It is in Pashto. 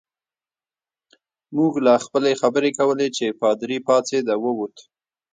موږ لا خپلې خبرې کولې چې پادري پاڅېد او ووت.